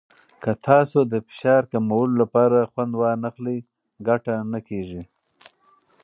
که تاسو د فشار کمولو لپاره خوند ونه واخلئ، ګټه نه کېږي.